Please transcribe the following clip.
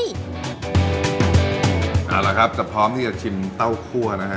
เอาละครับจะพร้อมที่จะชิมเต้าคั่วนะฮะ